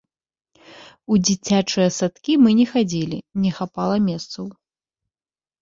У дзіцячыя садкі мы не хадзілі, не хапала месцаў.